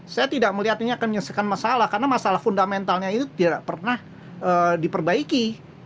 saya tidak melihatnya menyelesaikan masalah karena masalah fundamentalnya itu tidak pernah diperbaiki